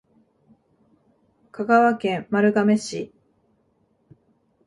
香川県丸亀市